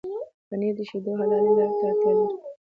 پنېر د شيدو حلالې لارې ته اړتيا لري.